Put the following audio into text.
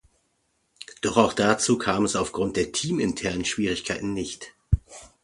Doch auch dazu kam es aufgrund von teaminternen Schwierigkeiten nicht.